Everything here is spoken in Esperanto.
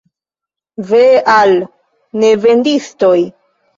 Ve al nevendistoj!